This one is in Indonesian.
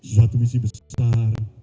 suatu misi besar